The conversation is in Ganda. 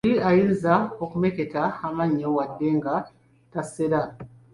Oli ayinza okumeketa amannyo wadde nga tasera.